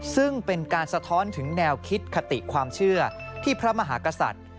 ซึ่งเป็นการสะท้อนถึงแนวคิดคติความเชื่อที่พระมหากษัตริย์